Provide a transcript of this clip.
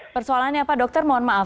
persoalannya apa dokter mohon maaf